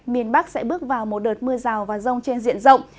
miền bắc sẽ bước vào một đợt mưa rào và rông trên diện rộng